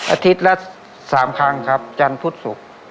อาทิตย์ละ๓ครั้งครับจันทร์พุธศุกร์